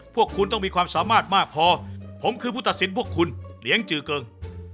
พวกคุณต้องมีความสามารถมากพอผมคือผู้ตัดสินพวกคุณเลี้ยงจือเกิง